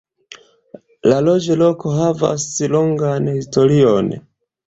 La loĝloko havas longan historion.